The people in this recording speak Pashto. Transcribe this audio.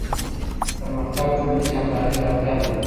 پرمختګ ټولنيزې همکارۍ ته اړتيا لري.